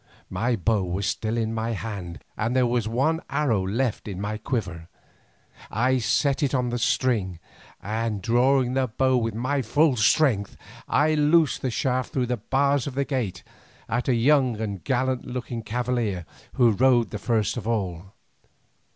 My bow was still in my hand and there was one arrow left in my quiver. I set it on the string, and drawing the bow with my full strength, I loosed the shaft through the bars of the gate at a young and gallant looking cavalier who rode the first of all.